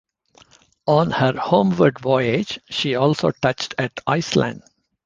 On her homeward voyage, she also touched at Iceland.